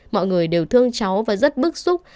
mọi người đều thương cháu và rất bức xúc